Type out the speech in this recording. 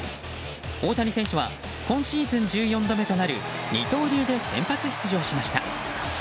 大谷選手は今シーズン１４度目となる二刀流で先発出場しました。